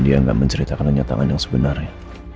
dia nggak menceritakan kenyataan yang sebenarnya